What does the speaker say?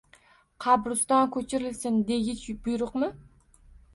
— Qabriston ko‘chirilsin, degich buyruqmi?